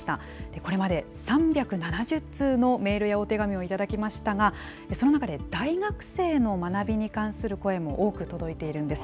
これまで３７０通のメールやお手紙を頂きましたが、その中で大学生の学びに関する声も多く届いているんです。